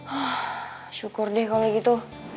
oh syukur deh kalo gitu